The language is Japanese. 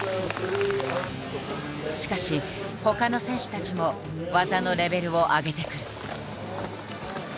しかしほかの選手たちも技のレベルを上げてくる。